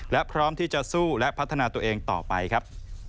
และพร้อมที่จะสู้และพัฒนาตัวเองต่อไปครับ